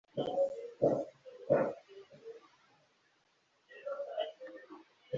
abantu ubwabo barazinubaga mu modoka ku buryo no kuzitwara byabaga bigoranye cyane kubera impumuro yazo